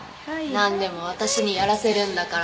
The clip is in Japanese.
なんでも私にやらせるんだから。